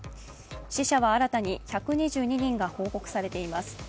死者は新たに１２２人が報告されています。